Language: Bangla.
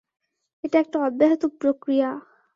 এটা একটা অব্যাহত প্রক্রিয়া।